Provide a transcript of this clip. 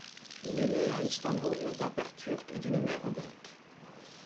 Il est né à Istanbul d'un père turc et d'une mère grecque.